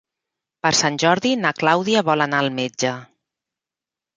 Per Sant Jordi na Clàudia vol anar al metge.